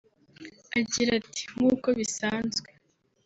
Agira ati “Nk’uko bisanzwe